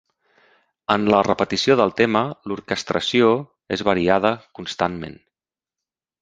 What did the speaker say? En la repetició del tema l'orquestració és variada constantment.